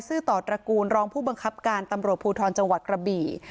ื่อต่อตระกูลรองผู้บังคับการตำรวจภูทรจังหวัดกระบี่